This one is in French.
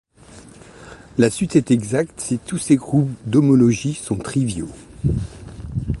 La suite est exacte si tous ses groupes d'homologie sont triviaux.